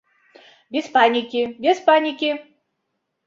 Без панікі, без панікі.